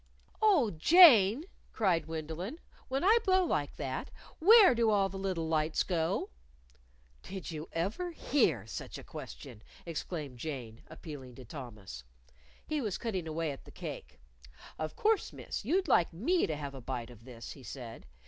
"Oh, Jane," cried Gwendolyn, "when I blow like that, where do all the little lights go?" "Did you ever hear such a question?" exclaimed Jane, appealing to Thomas. He was cutting away at the cake. "Of course, Miss, you'd like me to have a bite of this," he said.